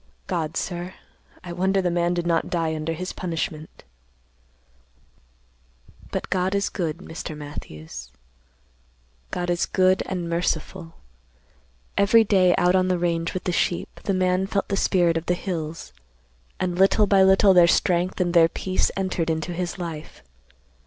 God, sir, I wonder the man did not die under his punishment! "But God is good, Mr. Matthews. God is good and merciful. Every day out on the range with the sheep, the man felt the spirit of the hills, and little by little their strength and their peace entered into his life.